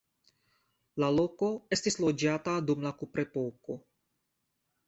La loko estis loĝata dum la kuprepoko.